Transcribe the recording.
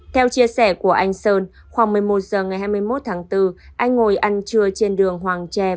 theo chia sẻ của anh sơn khoảng một mươi một h ngày hai mươi một tháng bốn anh ngồi ăn trưa trên đường hoàng tre